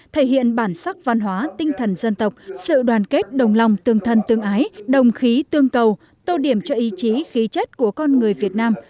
thể hiện bản sắc văn hóa tinh thần dân tộc sự đoàn kết đồng lòng tương thân tương ái đồng khí tương cầu tô điểm cho ý chí khí chất của con người việt nam